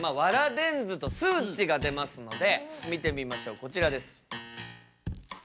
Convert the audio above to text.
電図と数値が出ますので見てみましょうこちらです。